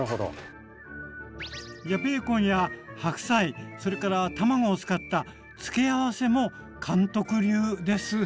ベーコンや白菜それから卵を使った付け合わせも監督流です！